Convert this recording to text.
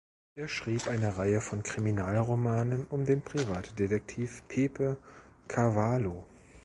Er schrieb eine Reihe von Kriminalromanen um den Privatdetektiv Pepe Carvalho.